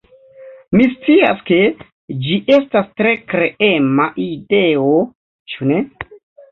Mi scias, ke ĝi estas tre kreema ideo, ĉu ne?